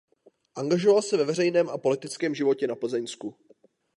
Angažoval se ve veřejném a politickém životě na Plzeňsku.